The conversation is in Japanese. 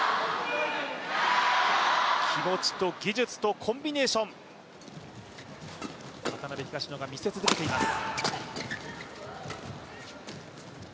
気持ちと技術とコンビネーション、その中で東野が見せ続けています。